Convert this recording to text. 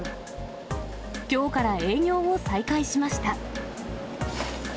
きょうから営業を再開しました。